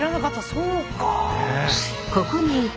そうか！